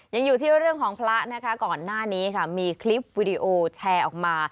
ยังอยู่ที่เรื่องของพระนะคะก่อนหน้านี้ค่ะมีคลิปวิดีโอแชร์ออกมา